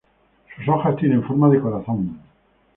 Sus hojas tienen forma de corazón.